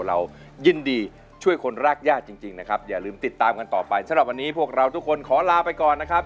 เรายินดีช่วยคนรากญาติจริงนะครับอย่าลืมติดตามกันต่อไปสำหรับวันนี้พวกเราทุกคนขอลาไปก่อนนะครับ